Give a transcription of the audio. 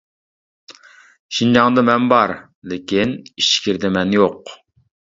شىنجاڭدا مەن بار، لېكىن ئىچكىرىدە مەن يوق.